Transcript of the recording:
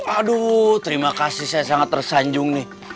aduh terima kasih saya sangat tersanjung nih